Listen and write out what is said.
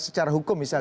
secara hukum misalnya